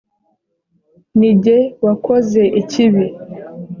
ni jye wakoze ikibi